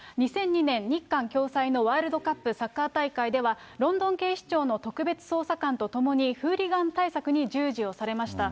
２００２年、日韓共催のワールドカップサッカー大会では、ロンドン警視庁の特別捜査官と共にフーリガン対策に従事をされました。